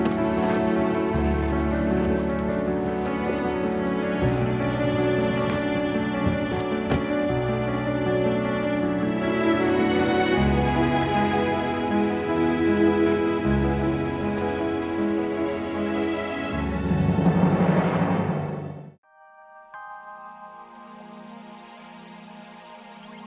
tidak jadi salah apanimu